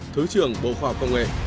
thứ trường bộ khoa học công nghệ